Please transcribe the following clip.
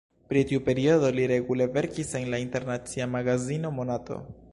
Pri tiu periodo li regule verkis en la internacia magazino Monato.